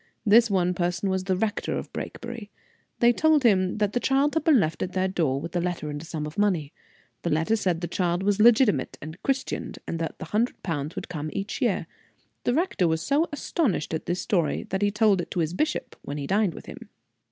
This one person was the Rector of Brakebury. They told him that the child had been left at their door, with a letter and a sum of money. The letter said the child was legitimate and christened, and that the hundred pounds would come each year. The rector was so astonished at this story that he told it to his bishop when he dined with him.